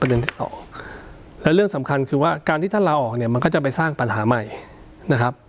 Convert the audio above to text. ที่สองและเรื่องสำคัญคือว่าการที่ท่านลาออกเนี่ยมันก็จะไปสร้างปัญหาใหม่นะครับ